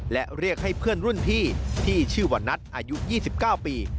และเรียกให้เพื่อนรุ่นพี่ที่ชื่อวันนัทอายุ๒๙ปี